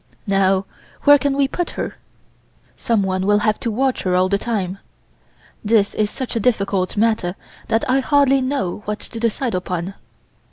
Now, where can we put her? Someone will have to watch her all the time. This is such a difficult matter that I hardly know what to decide upon.